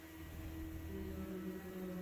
Please আমাকে যেতে দাও।